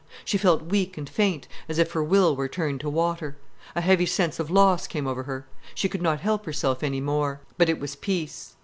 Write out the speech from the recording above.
She felt weak and faint, as if her will were turned to water. A heavy sense of loss came over her. She could not help herself anymore. But it was peace.